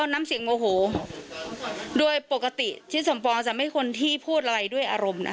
น้ำเสียงโมโหโดยปกติทิศสมปองจะไม่คนที่พูดอะไรด้วยอารมณ์นะคะ